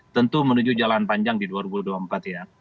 tentu menuju jalan panjang di dua ribu dua puluh empat ya